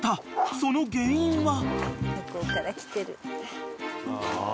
［その原因は］